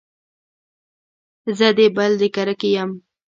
زه د بل د کرکې يم.